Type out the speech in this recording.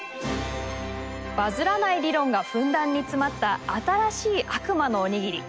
バズらない理論がふんだんに詰まった新しい「悪魔のおにぎり」。